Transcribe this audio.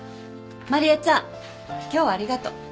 麻理恵ちゃん今日はありがと。